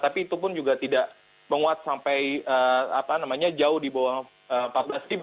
tapi itu pun juga tidak menguat sampai jauh di bawah empat belas ribu